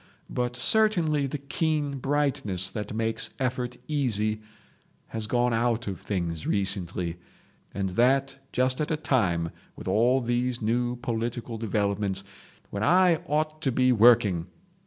But certainly the keen brightness that makes effort easy has gone out of things recently, and that just at a time with all these new political developments—when I ought to be working.